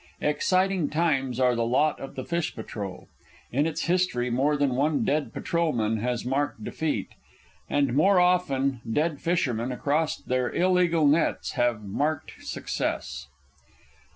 Exciting times are the lot of the fish patrol: in its history more than one dead patrolman has marked defeat, and more often dead fishermen across their illegal nets have marked success.